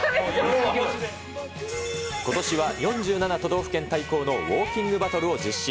ことしは４７都道府県対抗のウオーキングバトルを実施。